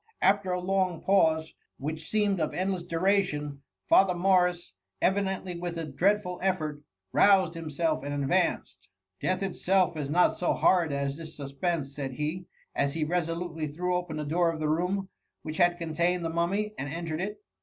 After a long pause, which TSB MUMliY. 808 aeahed of endless duration, Father Morris, evi dently with a dreadful effort, roused himself and advanced—* ^^ Death itself is not so horrid as this sus* pense,'^ said he, as he resolutely thr^w open the door of the room, which had contained the Mummy, and entered it.